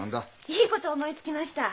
いいこと思いつきました！